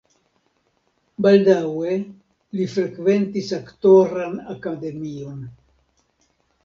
Baldaŭe li frekventis aktoran akademion.